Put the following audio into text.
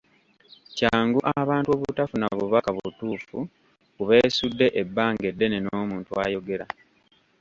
Kyangu abantu obutafuna bubaka butuufu ku beesudde ebbanga eddene n’omuntu ayogera.